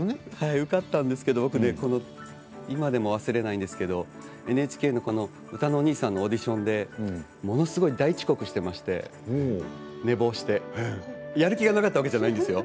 受かったんですけど今でも忘れないんですけどＮＨＫのうたのおにいさんのオーディションでものすごく大遅刻をしていまして寝坊してやる気がなかったわけじゃないんですよ。